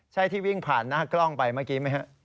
ใช่ที่วิ่งผ่านหน้ากล้องไปเมื่อกี้ไหมฮะ